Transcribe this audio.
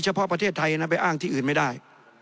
เพาะประเทศไทยนะไปอ้างที่อื่นไม่ได้